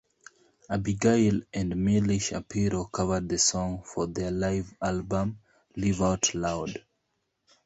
Abigail and Milly Shapiro covered the song for their live album "Live Out Loud".